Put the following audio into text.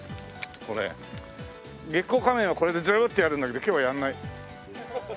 月光仮面はこれでズーッてやるんだけど今日はやらない。